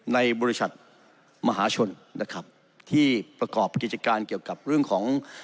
ในบริษัทมหาชนนะครับที่ประกอบกิจการเกี่ยวกับเรื่องของ